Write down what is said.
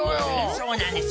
そうなんですよ